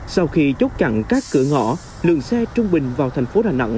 sau khi chốt chặn các cửa ngõ lượng xe trung bình vào thành phố đà nẵng